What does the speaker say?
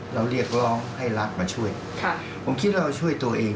เรียกร้องให้รัฐมาช่วยผมคิดว่าเราช่วยตัวเอง